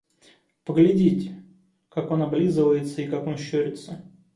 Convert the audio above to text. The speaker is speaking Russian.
Поглядите, как он облизывается и как он щурится.